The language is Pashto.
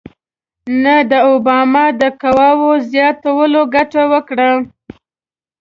نه د اوباما د قواوو زیاتولو ګټه وکړه.